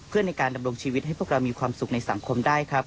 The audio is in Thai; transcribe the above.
เพื่อในการดำรงชีวิตให้พวกเรามีความสุขในสังคมได้ครับ